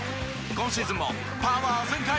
今シーズンもパワー全開！